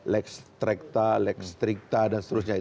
lekstrikta lekstrikta dan seterusnya